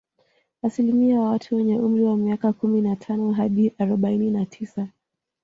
Asilimia ya watu wenye umri wa miaka kumi na tano hadi arobaini na tisa